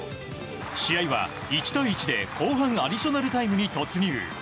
試合は１対１で後半アディショナルタイムに突入。